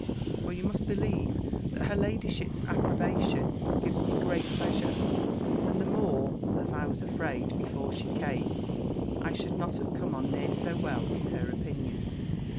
For you must believe, that her ladyship's approbation gives me great pleasure; and the more, as I was afraid, before she came, I should not have come on near so well in her opinion.